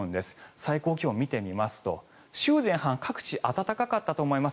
最高気温を見てみますと週前半各地、暖かったと思います。